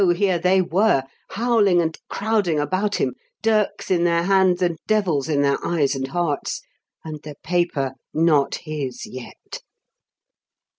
here they were, howling and crowding about him dirks in their hands and devils in their eyes and hearts and the paper not his yet!